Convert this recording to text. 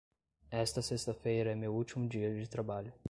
Esta sexta-feira é meu último dia de trabalho.